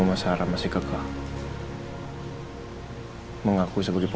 dia masih tetap menginum yalisa